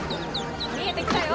見えてきたよ。